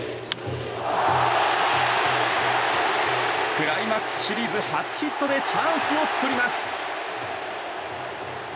クライマックスシリーズ初ヒットでチャンスを作ります。